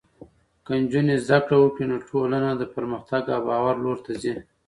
که نجونې زده کړه وکړي، نو ټولنه د پرمختګ او باور لور ته ځي.